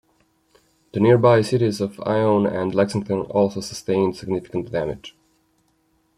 The nearby cities of Ione and Lexington also sustained significant damage.